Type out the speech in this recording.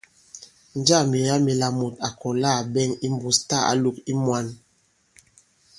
Njâŋ myèga mila mùt à kɔ̀la à ɓɛŋ imbūs tâ ǎ lōk i mwān ?